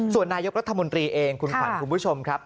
ส่วนนายกรัฐมนตรีเองคุณขวัญคุณผู้ชมครับ